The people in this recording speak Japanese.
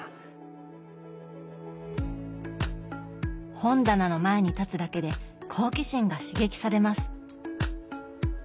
本棚の前に立つだけで好奇心が刺激されます。